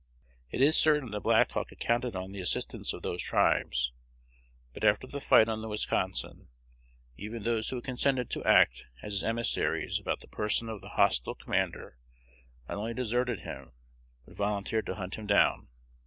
It is certain that Black Hawk had counted on the assistance of those tribes; but after the fight on the Wisconsin, even those who had consented to act as his emissaries about the person of the hostile commander not only deserted him, but volunteered to hunt him down.